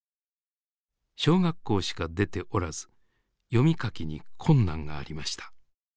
小学校しか出ておらず読み書きに困難がありました。